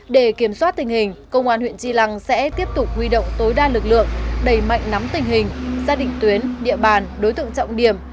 để kiểm soát tình hình công an huyện tri lăng sẽ tiếp tục huy động tối đa lực lượng đẩy mạnh nắm tình hình xác định tuyến địa bàn đối tượng trọng điểm